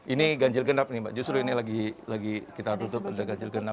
ini ganjil genap nih mbak justru ini lagi kita tutup ada ganjil genap